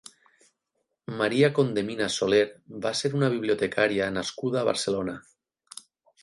Maria Condeminas Soler va ser una bibliotecària nascuda a Barcelona.